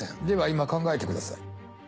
では今考えてください。